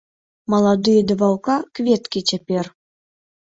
Маладыя да ваўка кветкі цяпер.